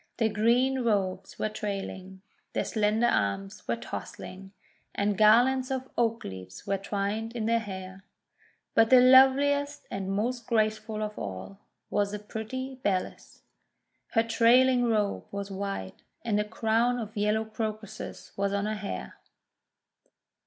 Their green robes were trailing, their slender arms were tossing, and LITTLE WHITE DAISY 135 garlands of oak leaves were twined in their hair. But the loveliest and most graceful of all, was the pretty Bellis. Her trailing robe was white, and a crown of yellow Crocuses was on her hair.